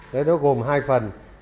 đấy đó gồm hai phần